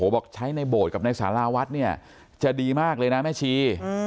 บอกใช้ในโบสถ์กับในสาราวัดเนี่ยจะดีมากเลยนะแม่ชี